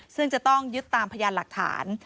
ซึ่งจะต้องยึดตามพยานหลักฐาน